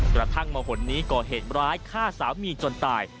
กระทั่งมาหนนี้ก่อเหตุร้ายฆ่าสามีจนตาย